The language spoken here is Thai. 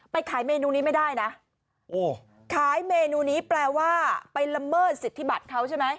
ขายเมนูนี้ไม่ได้นะโอ้ขายเมนูนี้แปลว่าไปละเมิดสิทธิบัตรเขาใช่ไหม